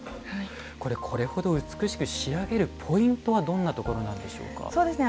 これほど美しく仕上げるポイントはどんなところなんでしょうか？